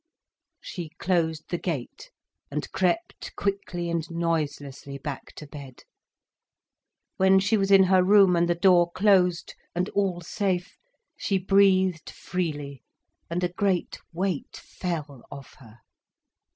She closed the gate, and crept quickly and noiselessly back to bed. When she was in her room, and the door closed, and all safe, she breathed freely, and a great weight fell off her.